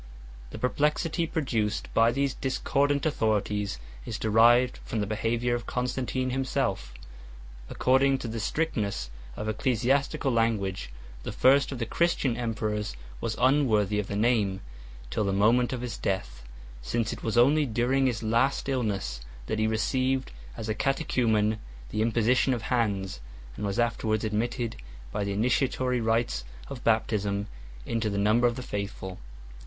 4 The perplexity produced by these discordant authorities is derived from the behavior of Constantine himself. According to the strictness of ecclesiastical language, the first of the Christian emperors was unworthy of that name, till the moment of his death; since it was only during his last illness that he received, as a catechumen, the imposition of hands, 5 and was afterwards admitted, by the initiatory rites of baptism, into the number of the faithful.